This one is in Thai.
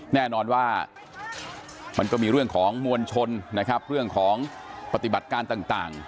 แน่นอนว่ามันก็มีเรื่องของมวลชนนะครับเรื่องของปฏิบัติการต่าง